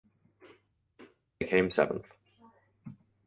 They came seventh.